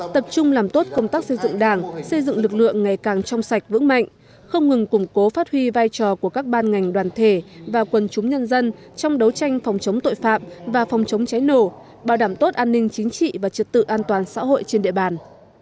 tập trung làm tốt công tác xây dựng đảng xây dựng lực lượng ngày càng trong sạch vững mạnh không ngừng củng cố phát huy vai trò của các ban ngành đoàn thể và quần chúng nhân dân trong đấu tranh phòng chống tội phạm và phòng chống cháy nổ bảo đảm tốt an ninh chính trị và trật tự an toàn xã hội trên địa bàn